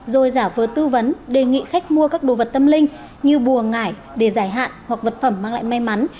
rồi giả vờ tư vấn đề nghị khách mua các đồ vật tâm linh như bùa ngải để giải hạn hoặc vật phẩm mang lại may mắn